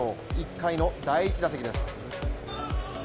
１回の第１打席です。